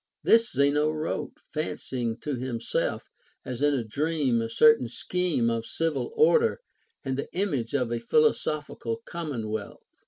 This Zeno Avrote, fancying to him self, as in a' dream, a certain scheme of civil order, and the image of a philosophical commonwealth.